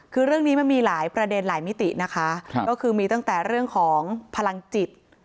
คือเรื่องนี้มันมีหลายประเด็นหลายมิตินะคะก็คือมีตั้งแต่เรื่องของพลังจิต